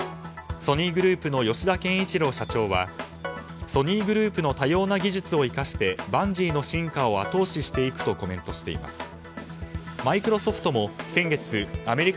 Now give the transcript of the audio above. ソニーグループの吉田憲一郎社長はソニーグループの多様な技術を生かしてバンジーの進化を後押ししていくとコメントしています。